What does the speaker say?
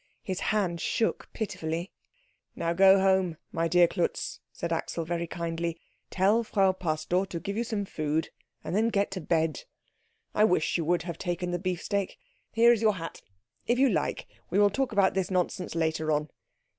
His hand shook pitifully. "Now go home, my dear Klutz," said Axel very kindly. "Tell Frau Pastor to give you some food, and then get to bed. I wish you would have taken the beefsteak here is your hat. If you like, we will talk about this nonsense later on.